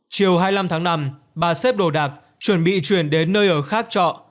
chiều hai mươi năm tháng năm bà xếp đồ đạc chuẩn bị chuyển đến nơi ở khác trọ